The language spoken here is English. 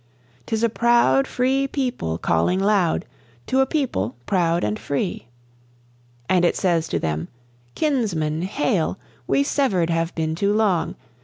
'Tis a proud free people calling loud to a people proud and free. And it says to them: "Kinsmen, hail! We severed have been too long.